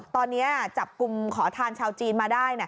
ตอนนี้จับกลุ่มขอทานชาวจีนมาได้